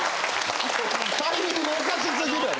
タイミングおかし過ぎるやろ！